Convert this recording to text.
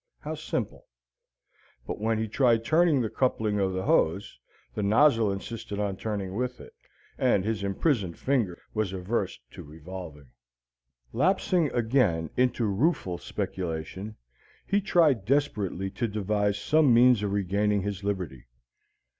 How simple! But when he tried turning the coupling of the hose, the nozzle insisted on turning with it, and his imprisoned finger was averse to revolving. Lapsing again into rueful speculation, he tried desperately to devise some means of regaining his liberty.